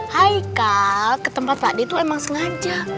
hai kal ke tempat pak deh itu emang sengaja